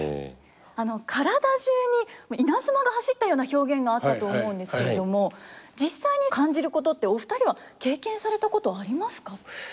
体中に稲妻が走ったような表現があったと思うんですけれども実際に感じることってお二人は経験されたことありますか？